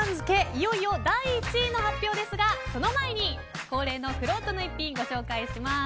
いよいよ第１位の発表ですがその前に、恒例のくろうとの逸品ご紹介します。